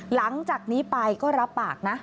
หลังจากนี้ไปก็รับปากนะ